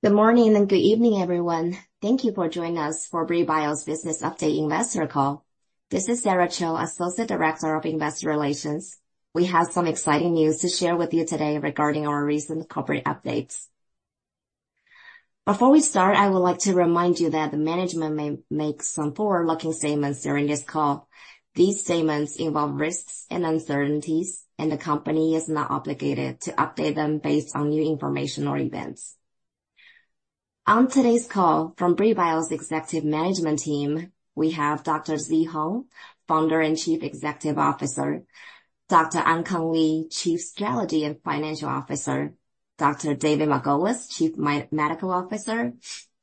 Good morning and good evening, everyone. Thank you for joining us for Brii Bio's business update investor call. This is Sarah Cho, Associate Director of Investor Relations. We have some exciting news to share with you today regarding our recent corporate updates. Before we start, I would like to remind you that the management may make some forward-looking statements during this call. These statements involve risks and uncertainties, and the company is not obligated to update them based on new information or events. On today's call from Brii Bio's executive management team, we have Dr. Zhi Hong, Founder and Chief Executive Officer, Dr. Ankang Li, Chief Strategy and Financial Officer, Dr. David Margolis, Chief Medical Officer,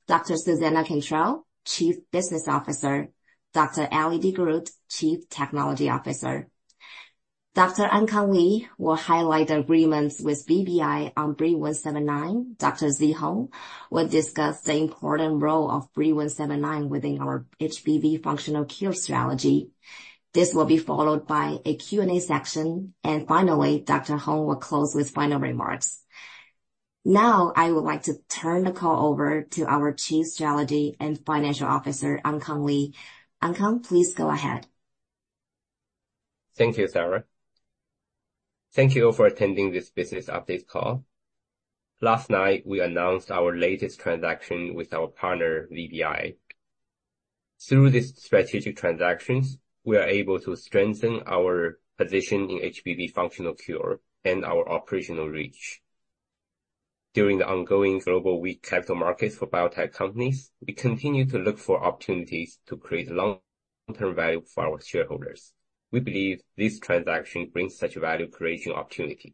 Dr. Susannah Cantrell, Chief Business Officer, Dr. Ellie de Groot, Chief Technology Officer. Dr. Ankang Li will highlight the agreements with VBI on BRII-179. Dr. Zhi Hong will discuss the important role of BRII-179 within our HBV functional cure strategy. This will be followed by a Q&A section, and finally, Dr. Hong will close with final remarks. Now, I would like to turn the call over to our Chief Strategy and Financial Officer, Ankang Li. Ankang, please go ahead. Thank you, Sarah. Thank you for attending this business update call. Last night, we announced our latest transaction with our partner, VBI. Through these strategic transactions, we are able to strengthen our position in HBV functional cure and our operational reach. During the ongoing global weak capital markets for biotech companies, we continue to look for opportunities to create long-term value for our shareholders. We believe this transaction brings such value creation opportunity.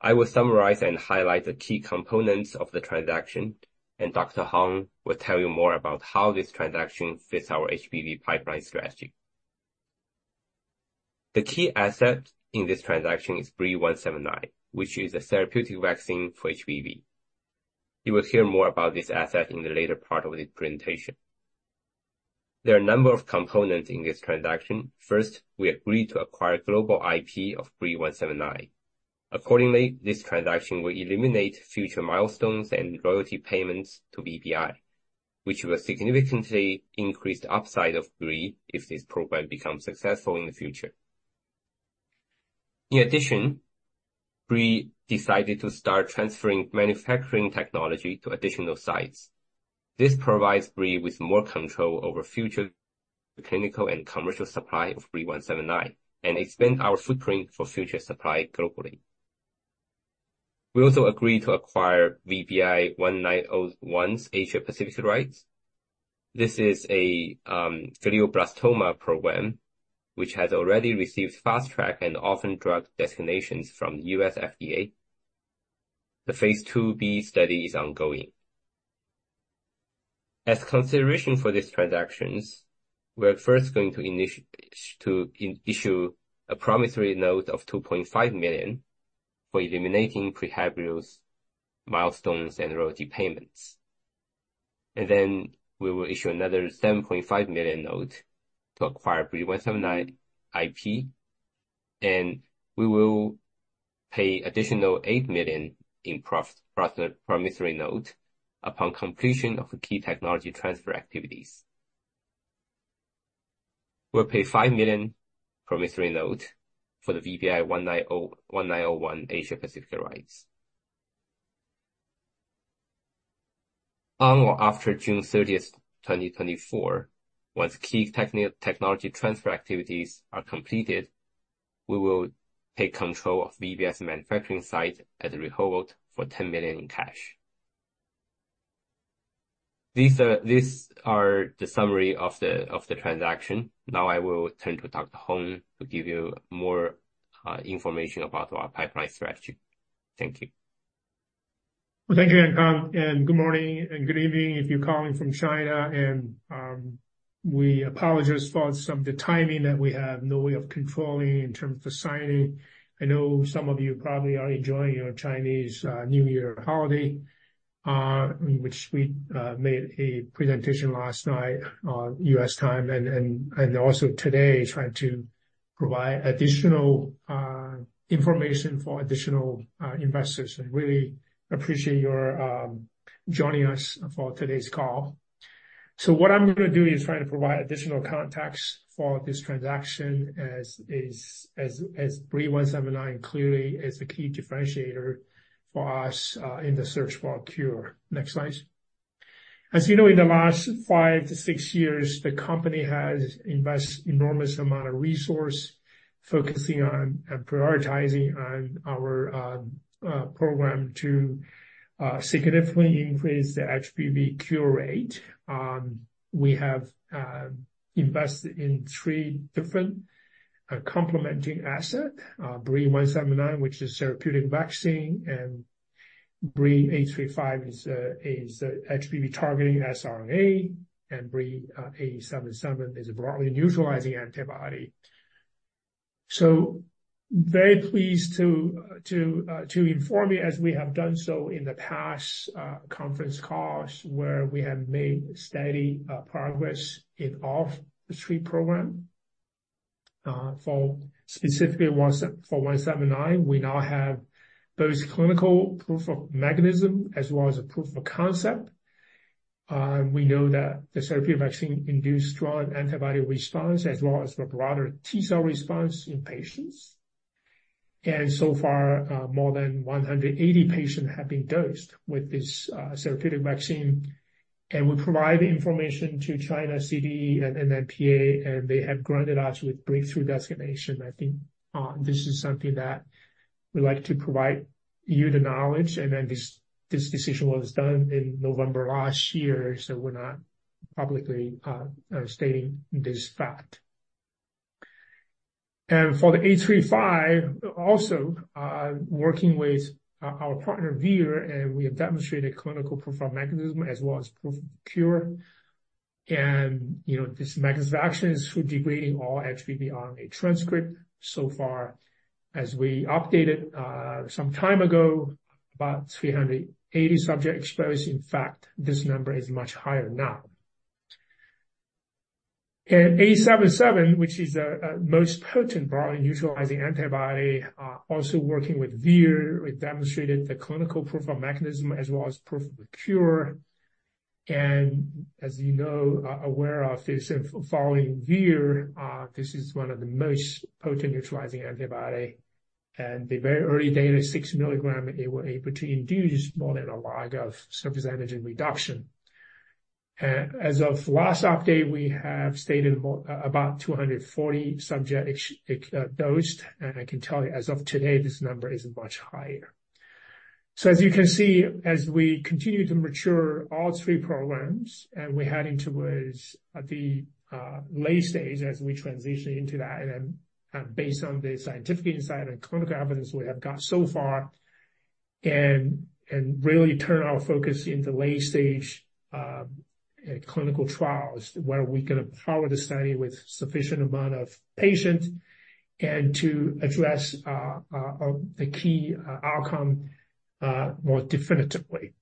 I will summarize and highlight the key components of the transaction, and Dr. Hong will tell you more about how this transaction fits our HBV pipeline strategy. The key asset in this transaction is BRII-179, which is a therapeutic vaccine for HBV. You will hear more about this asset in the later part of the presentation. There are a number of components in this transaction. First, we agreed to acquire global IP of BRII-179. Accordingly, this transaction will eliminate future milestones and royalty payments to VBI, which will significantly increase the upside of BRII if this program becomes successful in the future. In addition, Brii decided to start transferring manufacturing technology to additional sites. This provides Brii with more control over future clinical and commercial supply of BRII-179, and expand our footprint for future supply globally. We also agreed to acquire VBI-1901's Asia Pacific rights. This is a glioblastoma program, which has already received Fast Track and Orphan Drug designations from the U.S. FDA. The phase IIb study is ongoing. As consideration for these transactions, we're first going to issue a promissory note of $2.5 million for eliminating PreHevbri milestones and royalty payments. Then we will issue another $7.5 million note to acquire BRII-179 IP, and we will pay additional $8 million in promissory note upon completion of the key technology transfer activities. We'll pay $5 million promissory note for the VBI-1901 Asia Pacific rights. On or after June thirtieth, 2024, once key technology transfer activities are completed, we will take control of VBI's manufacturing site as a whole for $10 million in cash. These are the summary of the transaction. Now, I will turn to Dr. Hong to give you more information about our pipeline strategy. Thank you. Well, thank you, Ankang, and good morning, and good evening if you're calling from China. And we apologize for some of the timing that we have no way of controlling in terms of signing. I know some of you probably are enjoying your Chinese New Year holiday, which we made a presentation last night on U.S. time and also today, trying to provide additional information for additional investors. I really appreciate your joining us for today's call. So what I'm going to do is try to provide additional context for this transaction, as BRII-179 clearly is the key differentiator for us in the search for a cure. Next slide. As you know, in the last 5 years-6 years, the company has invested enormous amount of resource focusing on and prioritizing on our program to significantly increase the HBV cure rate. We have invested in 3 different complementing assets, BRII-179, which is therapeutic vaccine, and BRII-835 is a HBV-targeting siRNA, and BRII-877 is a broadly neutralizing antibody. So very pleased to inform you, as we have done so in the past conference calls, where we have made steady progress in all three programs. Specifically, for BRII-179, we now have both clinical proof of mechanism as well as a proof of concept. We know that the therapeutic vaccine induced strong antibody response as well as a broader T-cell response in patients. So far, more than 180 patients have been dosed with this therapeutic vaccine. And we provide the information to China CDE and NMPA, and they have granted us with breakthrough designation. I think, this is something that we like to provide you the knowledge, and then this, this decision was done in November last year, so we're not publicly stating this fact. And for the BRII-835, also, working with our partner, Vir, and we have demonstrated clinical proof of mechanism as well as proof of cure. And, you know, this mechanism of action is through degrading all HBV RNA transcript. So far, as we updated some time ago, about 380 subjects exposed. In fact, this number is much higher now. BRII-877, which is a most potent broad neutralizing antibody, also working with Vir, we demonstrated the clinical proof of mechanism as well as proof of cure. As you know, aware of this, and following Vir, this is one of the most potent neutralizing antibody, and the very early data, 6 milligram, they were able to induce more than a log of surface antigen reduction. As of last update, we have stated more about 240 subjects exposed, and I can tell you as of today, this number is much higher. So as you can see, as we continue to mature all three programs, and we're heading towards the late stage as we transition into that, and then, based on the scientific insight and clinical evidence we have got so far, and, and really turn our focus into late-stage clinical trials, where we can power the study with sufficient amount of patients and to address the key outcome more definitively.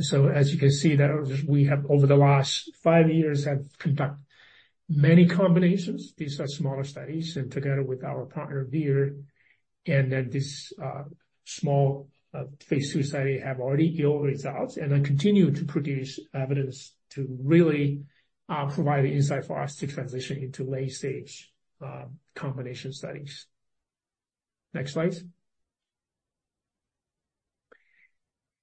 So as you can see that we have over the last five years, have conducted many combinations. These are smaller studies, and together with our partner, Vir, and then this small phase II study, have already yield results and then continue to produce evidence to really provide insight for us to transition into late stage combination studies. Next slide.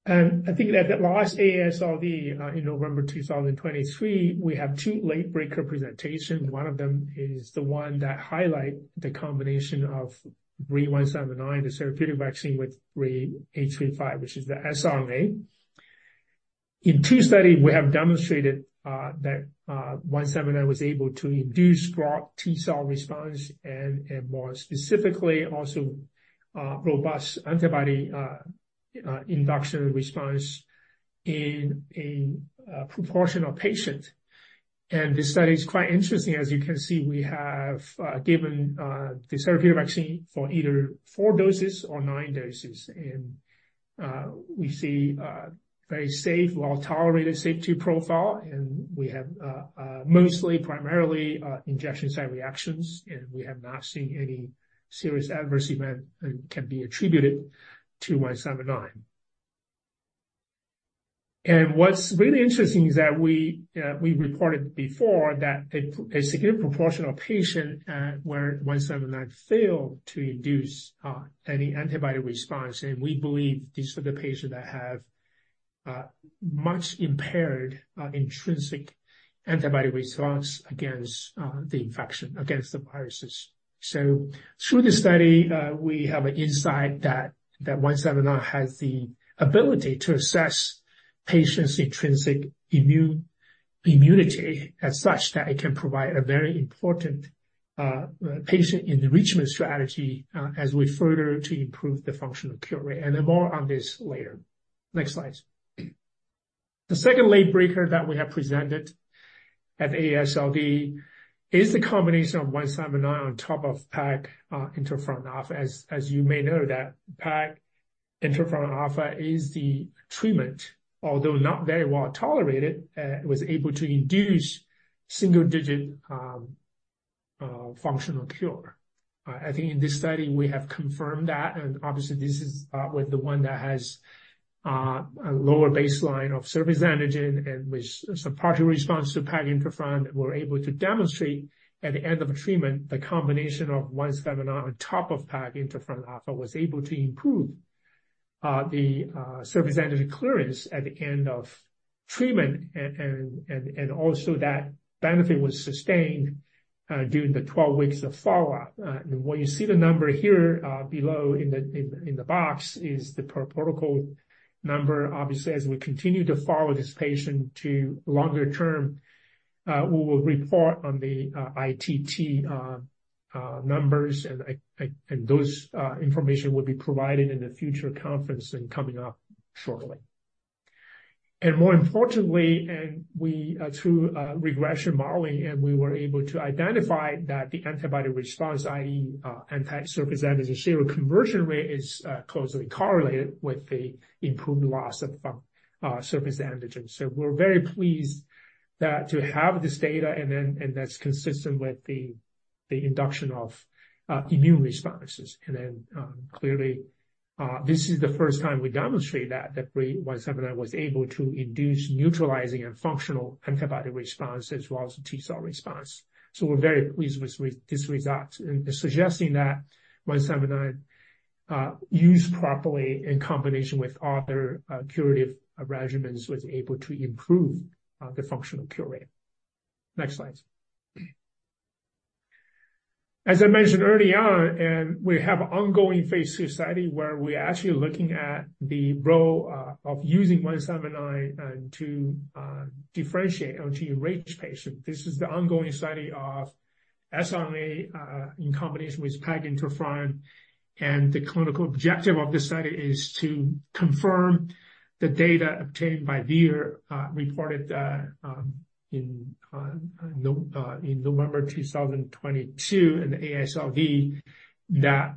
I think at that last AASLD, in November 2023, we have two late breaker presentations. One of them is the one that highlight the combination of BRII-179, the therapeutic vaccine, with BRII-835, which is the siRNA. In two studies, we have demonstrated, that, BRII-179 was able to induce broad T-cell response and, and more specifically, also, robust antibody, induction response in a proportion of patients. And this study is quite interesting. As you can see, we have given the therapeutic vaccine for either 4 doses or 9 doses. And, we see a very safe, well-tolerated safety profile, and we have, mostly primarily, injection site reactions, and we have not seen any serious adverse event that can be attributed to BRII-179. What's really interesting is that we, we reported before that a, a significant proportion of patients, where 179 failed to induce, any antibody response. We believe these are the patients that have, much impaired, intrinsic antibody response against, the infection, against the viruses. So through this study, we have an insight that, that 179 has the ability to assess patients' intrinsic immunity, as such, that it can provide a very important, patient enrichment strategy, as we further to improve the functional cure rate, and then more on this later. Next slide. The second late breaker that we have presented at AASLD is the combination of 179 on top of PEG interferon alpha. As you may know, that PEG interferon alpha is the treatment, although not very well tolerated, was able to induce single-digit functional cure. I think in this study we have confirmed that, and obviously this is with the one that has a lower baseline of surface antigen and which is a partial response to PEG interferon. We're able to demonstrate at the end of a treatment, the combination of 179 on top of PEG interferon alpha was able to improve the surface antigen clearance at the end of treatment, and also that benefit was sustained during the 12 weeks of follow-up. And what you see the number here below in the box is the per protocol number. Obviously, as we continue to follow this patient to longer term, we will report on the ITT numbers, and those information will be provided in a future conference coming up shortly. More importantly, through regression modeling, we were able to identify that the antibody response, i.e., anti-surface antigen seroconversion rate, is closely correlated with the improved loss of surface antigen. So we're very pleased to have this data, and that's consistent with the induction of immune responses. Clearly, this is the first time we demonstrate that BRII-179 was able to induce neutralizing and functional antibody response as well as T cell response. So we're very pleased with this result. Suggesting that BRII-179, used properly in combination with other curative regimens, was able to improve the functional cure rate. Next slide. As I mentioned early on, we have ongoing phase II study, where we're actually looking at the role of using BRII-179 to differentiate HBsAg-rich patient. This is the ongoing study of siRNA in combination with peg interferon. And the clinical objective of this study is to confirm the data obtained by Vir reported in November 2022, in the AASLD. That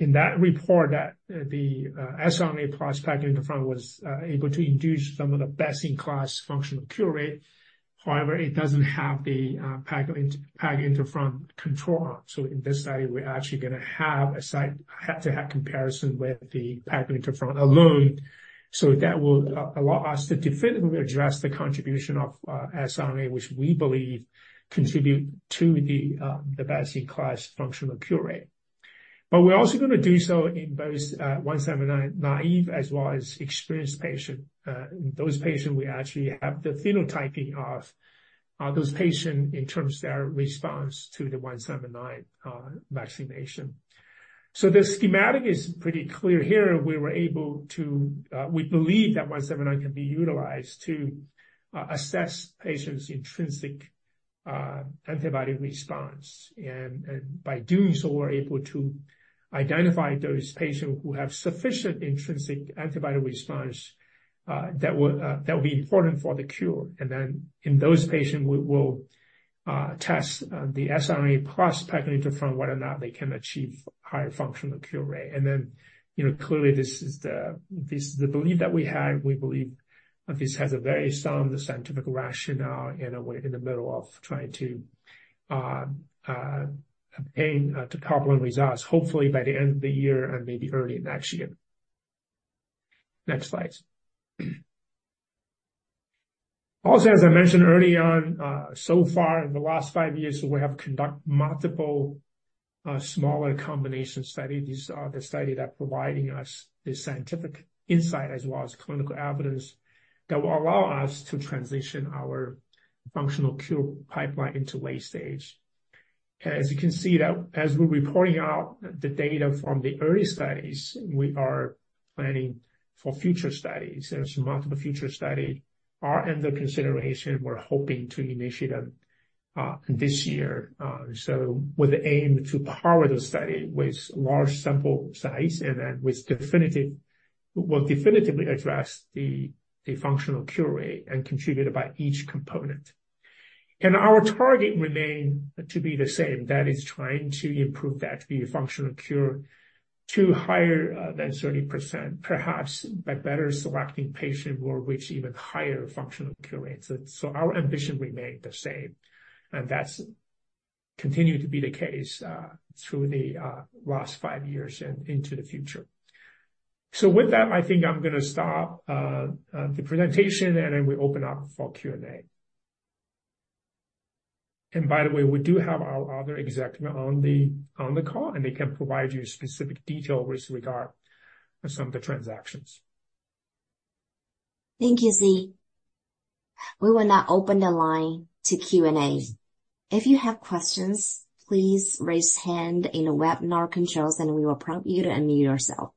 in that report, that the siRNA plus peg interferon was able to induce some of the best-in-class functional cure rate. However, it doesn't have the peg interferon control. So in this study, we're actually gonna have a side, head-to-head comparison with the PEG interferon alone. So that will allow us to definitively address the contribution of siRNA, which we believe contribute to the, the best-in-class functional cure rate. But we're also gonna do so in both 179 naive as well as experienced patients. Those patients, we actually have the phenotyping of those patients in terms of their response to the 179 vaccination. So the schematic is pretty clear here. We believe that 179 can be utilized to assess patients' intrinsic antibody response. And by doing so, we're able to identify those patients who have sufficient intrinsic antibody response that would that will be important for the cure. Then in those patients, we will test the siRNA plus PEG-IFNα, whether or not they can achieve higher functional cure rate. Then, you know, clearly this is the, this is the belief that we have. We believe this has a very sound scientific rationale, and we're in the middle of trying to obtain the compelling results, hopefully by the end of the year and maybe early next year. Next slide. Also, as I mentioned early on, so far in the last five years, we have conduct multiple smaller combination studies. These are the study that providing us the scientific insight as well as clinical evidence that will allow us to transition our functional cure pipeline into late stage. As you can see, that as we're reporting out the data from the early studies, we are planning for future studies. There are multiple future studies under consideration. We're hoping to initiate them this year so with the aim to power the study with large sample size and then with definitive, we'll definitively address the functional cure rate and contribution by each component. And our target remains the same, that is, trying to improve the actual functional cure to higher than 30%, perhaps by better selecting patients we will reach even higher functional cure rates. So our ambition remains the same, and that's continued to be the case through the last five years and into the future. So with that, I think I'm gonna stop the presentation, and then we open up for Q&A. And by the way, we do have our other executive on the call, and they can provide you specific detail with regard to some of the transactions. Thank you, Zhi. We will now open the line to Q&A. If you have questions, please raise hand in the webinar controls, and we will prompt you to unmute yourself.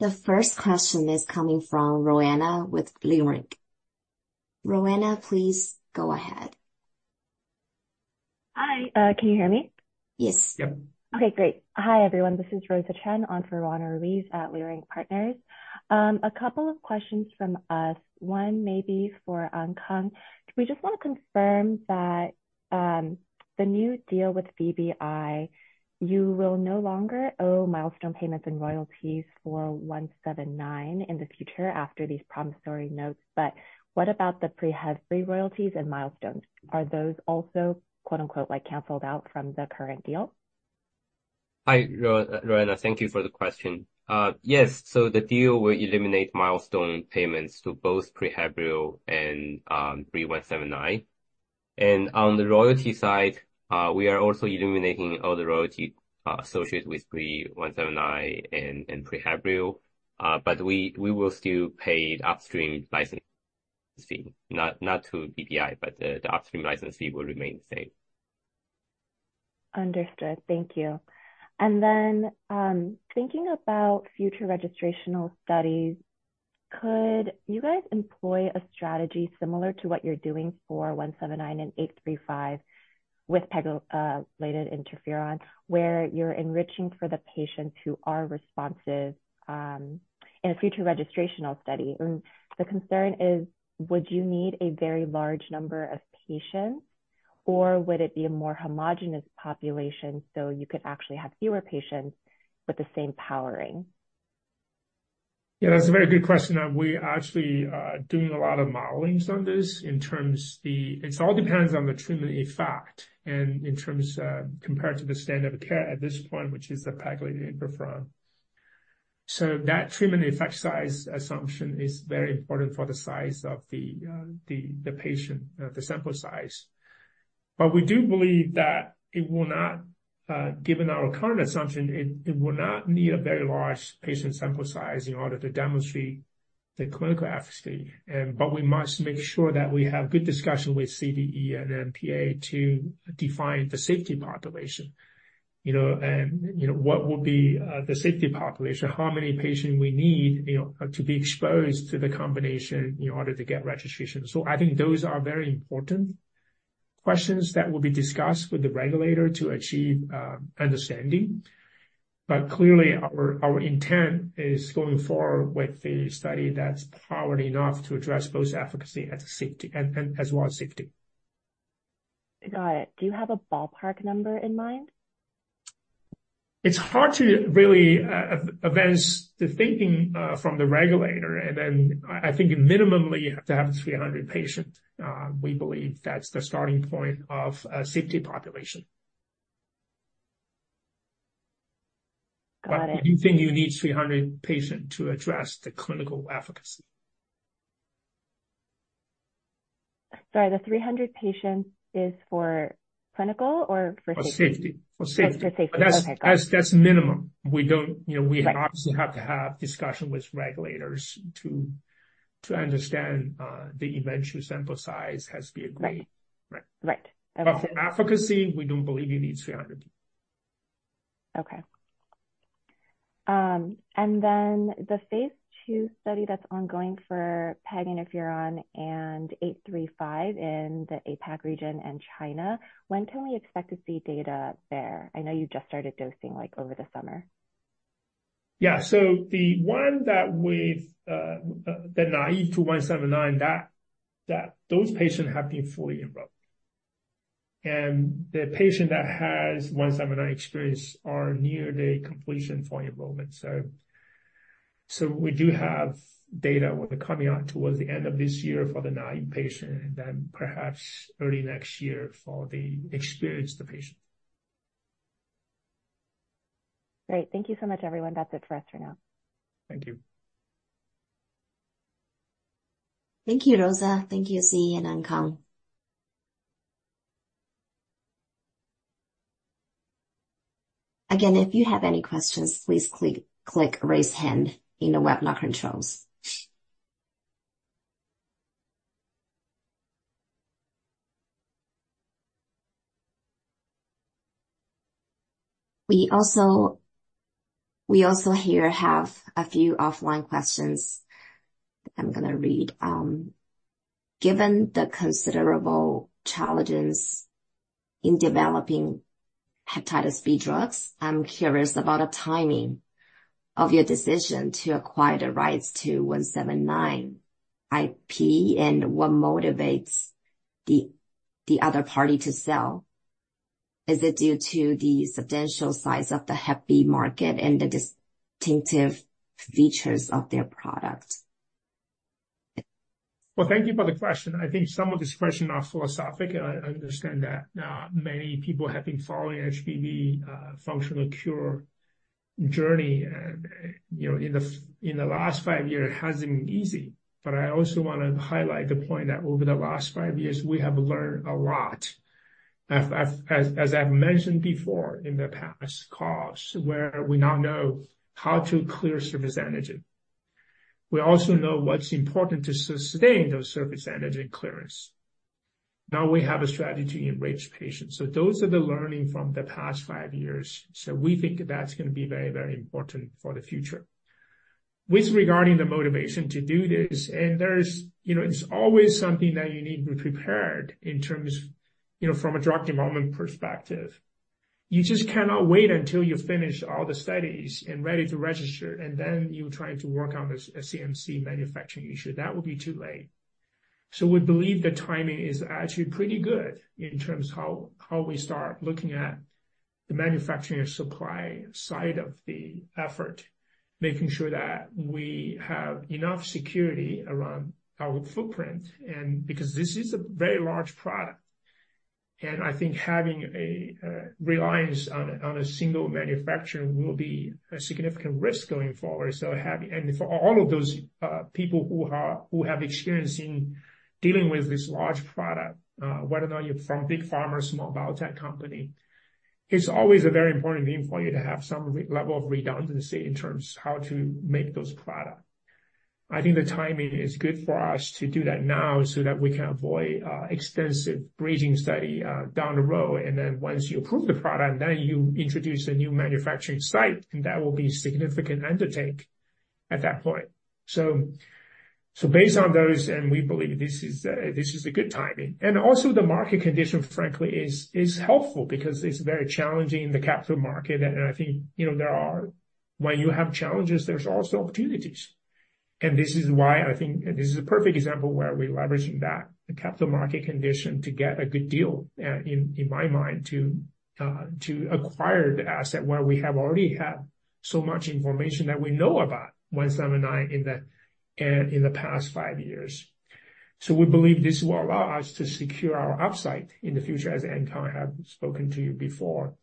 The first question is coming from Roanna with Leerink. Roanna, please go ahead. Hi, can you hear me? Yes. Yep. Okay, great. Hi, everyone. This is Rosa Chen on for Roanna Ruiz at Leerink Partners. A couple of questions from us. One maybe for Ankang. We just want to confirm that, the new deal with VBI, you will no longer owe milestone payments and royalties for one seven nine in the future after these promissory notes. But what about the PreHevbri royalties and milestones? Are those also quote-unquote, like, canceled out from the current deal? Hi, Roanna. Thank you for the question. Yes, so the deal will eliminate milestone payments to both PreHevbri and BRII-179. And on the royalty side, we are also eliminating all the royalty associated with BRII-179 and PreHevbri. But we will still pay the upstream license fee, not to VBI, but the upstream license fee will remain the same. Understood. Thank you. And then, thinking about future registrational studies, could you guys employ a strategy similar to what you're doing for 179 and 835 with pegylated interferon, where you're enriching for the patients who are responsive, in a future registrational study? And the concern is: would you need a very large number of patients, or would it be a more homogeneous population, so you could actually have fewer patients with the same powering? Yeah, that's a very good question, and we're actually doing a lot of modelings on this in terms of the—it all depends on the treatment effect and in terms of, compared to the standard of care at this point, which is the pegylated interferon. So that treatment effect size assumption is very important for the size of the, the, the patient, the sample size. But we do believe that it will not, given our current assumption, it, it will not need a very large patient sample size in order to demonstrate the clinical efficacy. And but we must make sure that we have good discussion with CDE and NMPA to define the safety population. You know, and, you know, what will be, the safety population? How many patients we need, you know, to be exposed to the combination in order to get registration? I think those are very important questions that will be discussed with the regulator to achieve understanding. But clearly, our intent is going forward with the study that's powered enough to address both efficacy and safety, as well as safety. Got it. Do you have a ballpark number in mind? It's hard to really advance the thinking from the regulator, and then I think minimally you have to have 300 patients. We believe that's the starting point of a safety population. Got it. But we do think you need 300 patients to address the clinical efficacy. Sorry, the 300 patients is for clinical or for safety? For safety. For safety. For safety. Okay, got it. That's minimum. We don't... You know, we- Right. Obviously have to have discussion with regulators to understand the eventual sample size has to be agreed. Right. Right. Right. Okay. For efficacy, we do believe it needs 300 people. Okay. And then the phase II study that's ongoing for peg interferon and 835 in the APAC region and China, when can we expect to see data there? I know you just started dosing, like, over the summer. Yeah. So the one that with the naïve to 179, that those patients have been fully enrolled. And the patient that has 179 experience are near the completion for enrollment. So we do have data coming out towards the end of this year for the naïve patient, and then perhaps early next year for the experienced patient. Great. Thank you so much, everyone. That's it for us for now. Thank you. Thank you, Rosa. Thank you, Zhi and Ankang. Again, if you have any questions, please click Raise Hand in the webinar controls. We also here have a few offline questions I'm going to read. Given the considerable challenges in developing hepatitis B drugs, I'm curious about the timing of your decision to acquire the rights to BRII-179 IP, and what motivates the other party to sell. Is it due to the substantial size of the hep B market and the distinctive features of their product? Well, thank you for the question. I think some of these questions are philosophic. I understand that many people have been following HBV functional cure journey, and, you know, in the last five years, it hasn't been easy. But I also want to highlight the point that over the last five years, we have learned a lot. As I've mentioned before in the past calls, where we now know how to clear surface antigen. We also know what's important to sustain those surface antigen clearance. Now we have a strategy in rich patients, so those are the learning from the past five years. So we think that's going to be very, very important for the future. Regarding the motivation to do this, and there's, you know, it's always something that you need to be prepared in terms, you know, from a drug development perspective. You just cannot wait until you finish all the studies and ready to register, and then you try to work on the CMC manufacturing issue. That would be too late. So we believe the timing is actually pretty good in terms of how we start looking at the manufacturing and supply side of the effort, making sure that we have enough security around our footprint. And because this is a very large product, and I think having a reliance on a single manufacturer will be a significant risk going forward. So having and for all of those people who are, who have experience in dealing with this large product, whether or not you're from big pharma or small biotech company, it's always a very important thing for you to have some level of redundancy in terms of how to make those products. I think the timing is good for us to do that now so that we can avoid extensive bridging study down the road, and then once you approve the product, then you introduce a new manufacturing site, and that will be a significant undertaking at that point. So based on those, and we believe this is a good timing. And also the market condition, frankly, is helpful because it's very challenging in the capital market. I think, you know, there are, when you have challenges, there's also opportunities. And this is why I think, and this is a perfect example where we're leveraging that, the capital market condition to get a good deal, in, in my mind, to, to acquire the asset, where we have already had so much information that we know about 179 in the, in the past 5 years. So we believe this will allow us to secure our upside in the future, as Ankang have spoken to you before,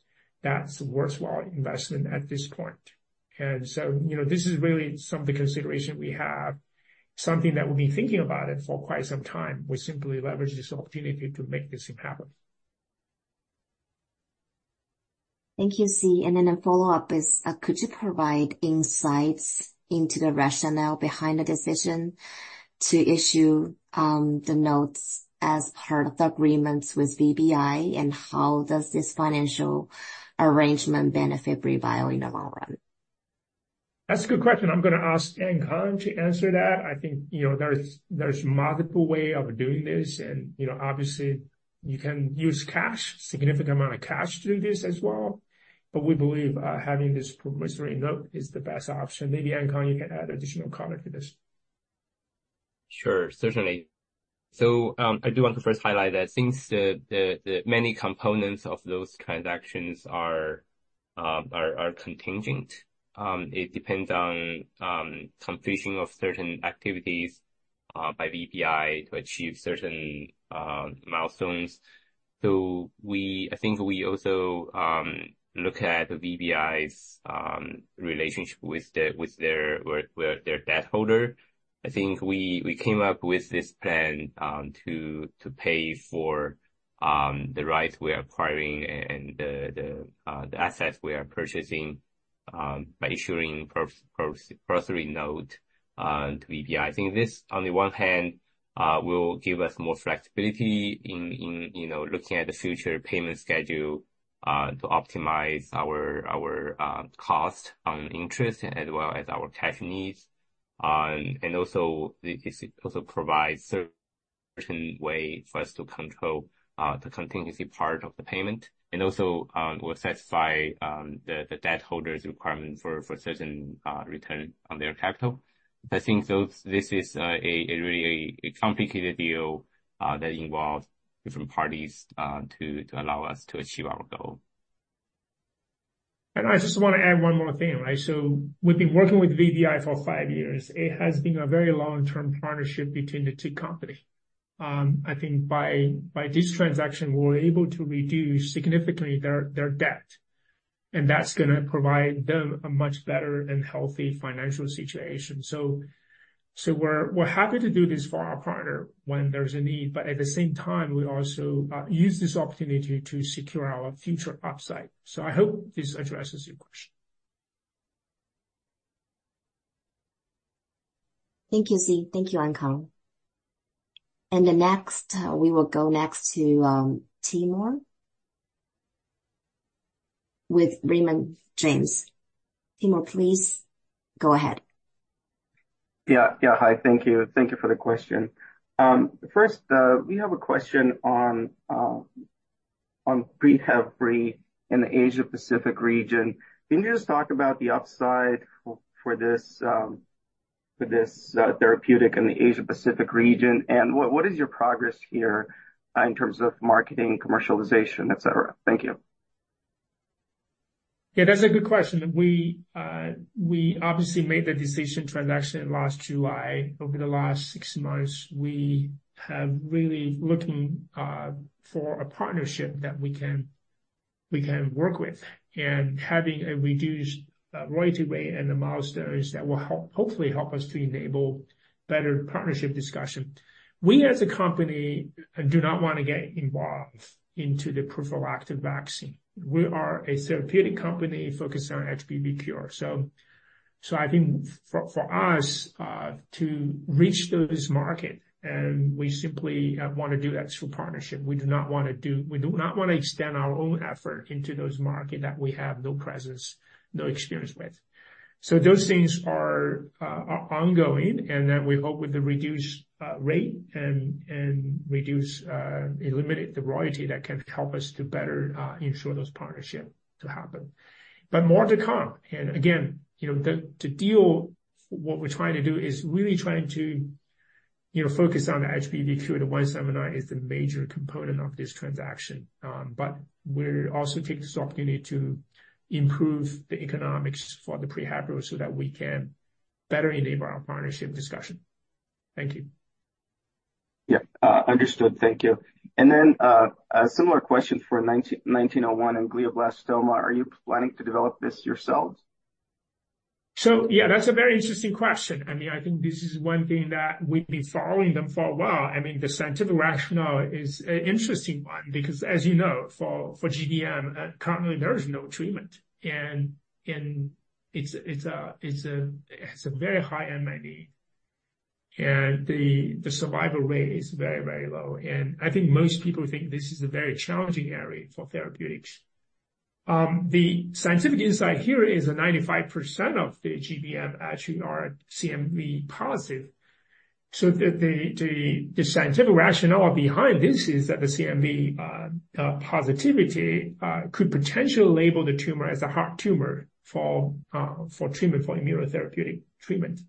that's worthwhile investment at this point. And so, you know, this is really some of the consideration we have, something that we've been thinking about it for quite some time. We simply leverage this opportunity to make this thing happen. Thank you, Zhi. And then a follow-up is, could you provide insights into the rationale behind the decision to issue, the notes as part of the agreements with VBI? And how does this financial arrangement benefit Brii Bio in the long run? That's a good question. I'm going to ask Ankang to answer that. I think, you know, there's multiple way of doing this, and, you know, obviously, you can use cash, significant amount of cash, to do this as well. But we believe, having this promissory note is the best option. Maybe, Ankang, you can add additional comment to this. Sure. Certainly. So, I do want to first highlight that since the many components of those transactions are contingent, it depends on completion of certain activities by VBI to achieve certain milestones. So, I think we also look at VBI's relationship with their debt holder. I think we came up with this plan to pay for the rights we are acquiring and the assets we are purchasing by issuing promissory note to VBI. I think this, on the one hand, will give us more flexibility in, you know, looking at the future payment schedule to optimize our cost on interest as well as our cash needs. And also, this also provides certain way for us to control the contingency part of the payment, and also will satisfy the debt holder's requirement for certain return on their capital. I think this is a really complicated deal that involves different parties to allow us to achieve our goal. I just want to add one more thing, right? So we've been working with VBI for five years. It has been a very long-term partnership between the two company. I think by this transaction, we're able to reduce significantly their debt, and that's going to provide them a much better and healthy financial situation. So we're happy to do this for our partner when there's a need, but at the same time, we also use this opportunity to secure our future upside. So I hope this addresses your question. Thank you, Zhi. Thank you, Ankang. The next, we will go next to Timur with Raymond James. Timur, please go ahead. Yeah, yeah. Hi, thank you. Thank you for the question. First, we have a question on PreHevbri in the Asia Pacific region. Can you just talk about the upside for this therapeutic in the Asia Pacific region? And what is your progress here in terms of marketing, commercialization, et cetera? Thank you. Yeah, that's a good question. We, we obviously made the decision transaction last July. Over the last six months, we have really looking for a partnership that we can, we can work with, and having a reduced royalty rate and the milestones that will hopefully help us to enable better partnership discussion. We, as a company, do not want to get involved into the prophylactic vaccine. We are a therapeutic company focused on HBV cure. So, I think for us to reach those market, and we simply want to do that through partnership, we do not want to extend our own effort into those market that we have no presence, no experience with. So those things are ongoing, and that we hope with the reduced rate and reduced eliminate the royalty, that can help us to better ensure those partnership to happen. But more to come, and again, you know, the deal, what we're trying to do is really trying to, you know, focus on the HBV cure, the 179 is the major component of this transaction. But we're also taking this opportunity to improve the economics for the PreHevbri, so that we can better enable our partnership discussion. Thank you. Yeah, understood. Thank you. And then, a similar question for 1901 and glioblastoma. Are you planning to develop this yourselves? So yeah, that's a very interesting question. I mean, I think this is one thing that we've been following them for a while. I mean, the scientific rationale is an interesting one, because as you know, for GBM, currently there is no treatment, and it's a very high unmet need. And the survival rate is very, very low, and I think most people think this is a very challenging area for therapeutics. The scientific insight here is that 95% of the GBM actually are CMV positive. So the scientific rationale behind this is that the CMV positivity could potentially label the tumor as a hot tumor for treatment, for immunotherapeutic treatment.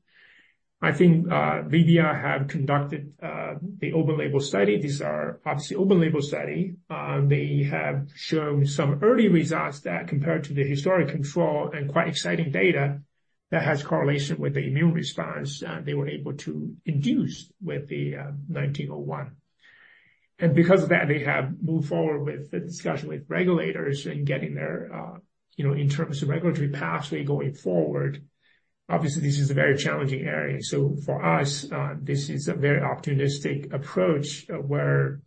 I think VBI have conducted the open label study. These are obviously open label study. They have shown some early results that compared to the historic control and quite exciting data, that has correlation with the immune response they were able to induce with the 1901. And because of that, they have moved forward with the discussion with regulators in getting their, you know, in terms of regulatory pathway going forward. Obviously, this is a very challenging area. So for us, this is a very opportunistic approach where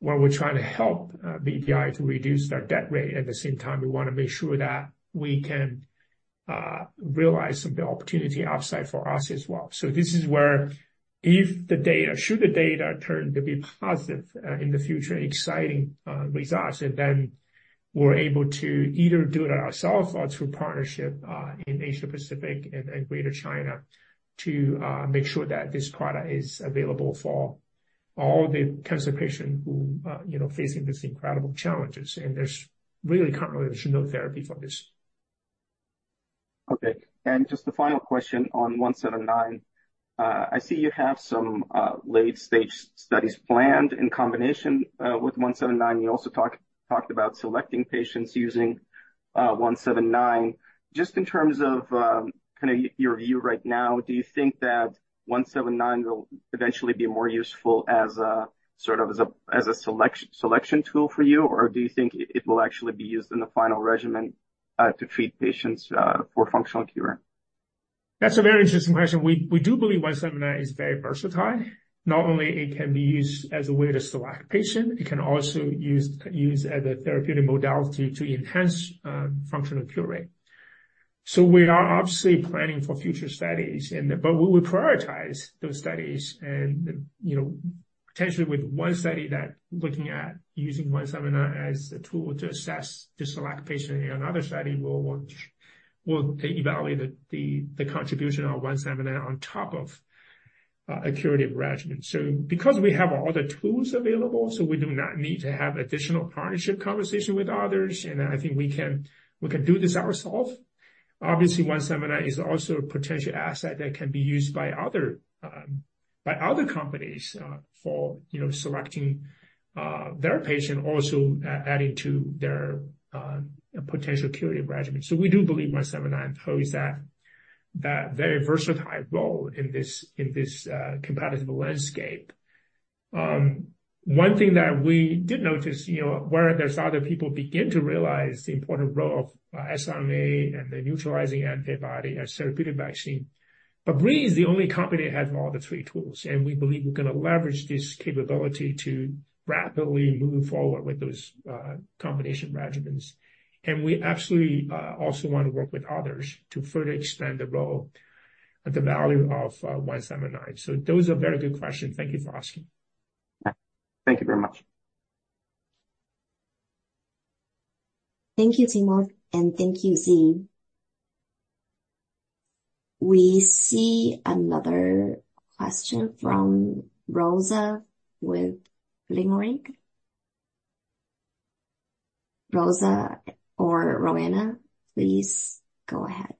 we're trying to help VBI to reduce their debt rate. At the same time, we want to make sure that we can realize the opportunity upside for us as well. So this is where, should the data turn to be positive in the future, exciting results, and then we're able to either do it ourselves or through partnership in Asia Pacific and Greater China, to make sure that this product is available for all the kinds of patients who, you know, facing these incredible challenges. And there's really currently no therapy for this. Okay, and just a final question on 179. I see you have some late-stage studies planned in combination with 179. You also talked about selecting patients using 179. Just in terms of kind of your view right now, do you think that 179 will eventually be more useful as a sort of, as a selection tool for you? Or do you think it will actually be used in the final regimen to treat patients for functional cure? That's a very interesting question. We do believe 179 is very versatile. Not only it can be used as a way to select patient, it can also be used as a therapeutic modality to enhance functional cure rate. So we are obviously planning for future studies but we will prioritize those studies and, you know, potentially with one study that looking at using 179 as a tool to assess, to select patient, and another study will want to evaluate the contribution of 179 on top of a curative regimen. So because we have all the tools available, so we do not need to have additional partnership conversation with others, and I think we can do this ourselves. Obviously, 179 is also a potential asset that can be used by other, by other companies, for, you know, selecting, their patient, also adding to their, potential curative regimen. So we do believe 179 plays that very versatile role in this competitive landscape. One thing that we did notice, you know, where there's other people begin to realize the important role of siRNA and the neutralizing antibody as therapeutic vaccine. But we is the only company that has all the three tools, and we believe we're going to leverage this capability to rapidly move forward with those, combination regimens. And we absolutely, also want to work with others to further expand the role and the value of, 179. So those are very good questions. Thank you for asking. Thank you very much. Thank you, Timur, and thank you, Zhi. We see another question from Rosa with Leerink. Rosa or Roanna, please go ahead.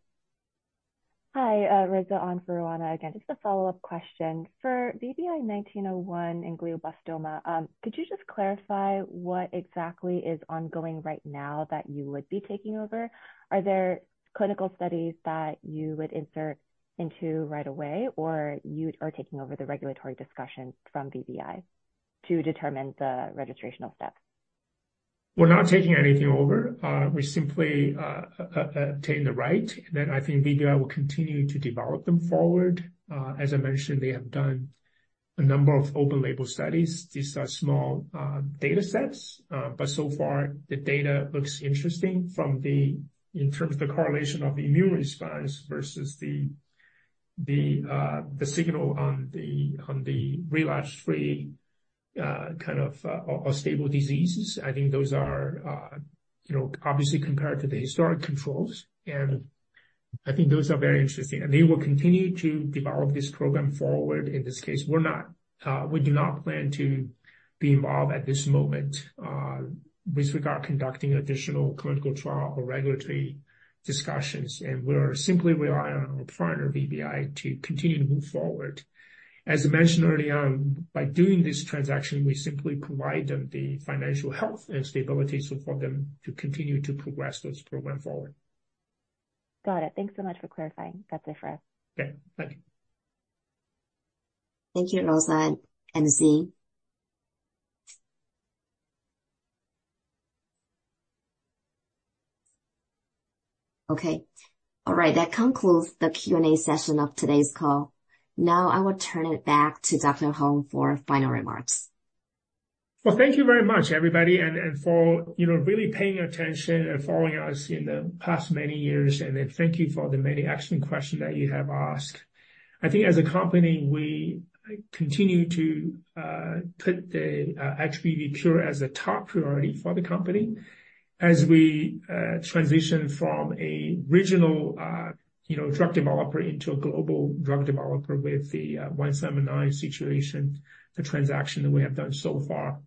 Hi, Rosa Chen for Roanna Ruiz again, just a follow-up question. For VBI-1901 and glioblastoma, could you just clarify what exactly is ongoing right now that you would be taking over? Are there clinical studies that you would insert into right away, or you are taking over the regulatory discussion from VBI to determine the registrational steps? We're not taking anything over. We simply taking the right, and then I think VBI will continue to develop them forward. As I mentioned, they have done a number of open label studies. These are small data sets, but so far the data looks interesting from the, in terms of the correlation of the immune response versus the, the the signal on the, on the relapse-free, kind of, or stable diseases. I think those are, you know, obviously compared to the historic controls, and I think those are very interesting. And they will continue to develop this program forward. In this case, we're not, we do not plan to be involved at this moment, with regard conducting additional clinical trial or regulatory discussions, and we are simply relying on our partner, VBI, to continue to move forward. As I mentioned early on, by doing this transaction, we simply provide them the financial health and stability so for them to continue to progress this program forward. Got it. Thanks so much for clarifying. That's it for us. Okay, thank you. Thank you, Rosa and Zee. Okay. All right, that concludes the Q&A session of today's call. Now, I will turn it back to Dr. Hong for final remarks. Well, thank you very much, everybody, and for, you know, really paying attention and following us in the past many years. And then thank you for the many excellent questions that you have asked. I think as a company, we continue to put the HBV cure as a top priority for the company as we transition from a regional, you know, drug developer into a global drug developer with the BRII-179 situation, the transaction that we have done so far.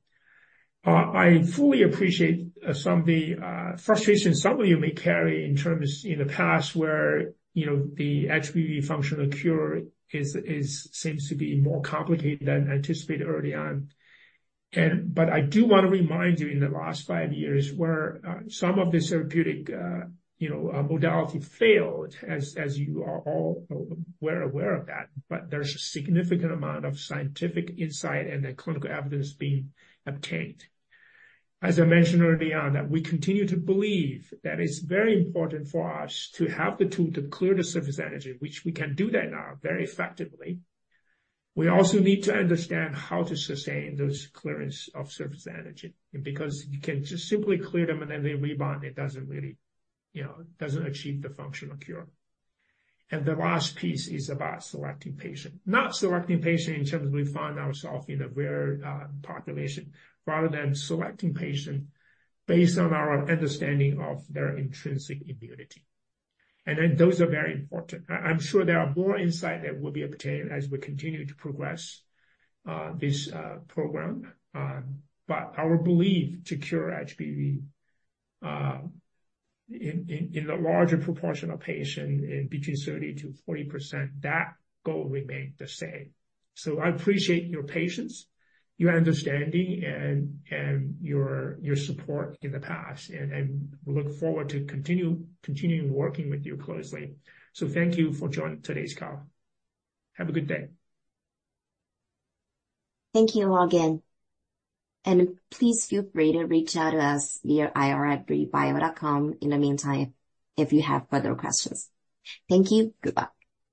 I fully appreciate some of the frustration some of you may carry in terms in the past, where, you know, the HBV functional cure seems to be more complicated than anticipated early on. But I do want to remind you, in the last 5 years, where some of the therapeutic, you know, modalities failed, as you all were aware of that, but there's a significant amount of scientific insight and clinical evidence being obtained. As I mentioned early on, that we continue to believe that it's very important for us to have the tool to clear the surface antigen, which we can do now very effectively. We also need to understand how to sustain those clearances of surface antigen, because you can just simply clear them and then they rebound. It doesn't really, you know, achieve the functional cure. The last piece is about selecting patients. Not selecting patients in terms that we find ourselves in a rare population, rather than selecting patients based on our understanding of their intrinsic immunity. Then those are very important. I'm sure there are more insights that will be obtained as we continue to progress this program. But our belief to cure HBV in a larger proportion of patients between 30%-40%, that goal remains the same. So I appreciate your patience, your understanding, and your support in the past, and I look forward to continuing working with you closely. So thank you for joining today's call. Have a good day. Thank you again, and please feel free to reach out to us via ir@briibio.com in the meantime, if you have further questions. Thank you. Goodbye.